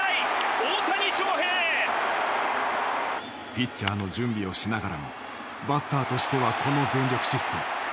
ピッチャーの準備をしながらもバッターとしてはこの全力疾走。